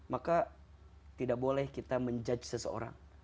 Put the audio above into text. maka tidak boleh kita menjudge seseorang